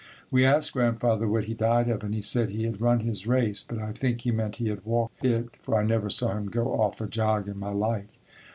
We asked Grandfather what he died of and he said he had run his race but I think he meant he had walked it, for I never saw him go off a jog in my life.